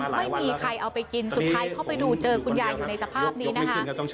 ไม่มีใครเอาไปกินสุดท้ายเข้าไปดูเจอคุณยายอยู่ในสภาพนี้นะคะ